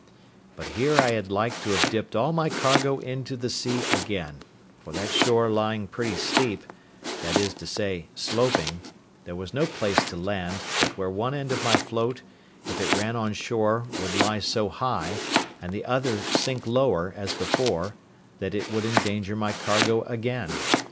But here I had like to have dipped all my cargo into the sea again; for that shore lying pretty steep—that is to say sloping—there was no place to land, but where one end of my float, if it ran on shore, would lie so high, and the other sink lower, as before, that it would endanger my cargo again.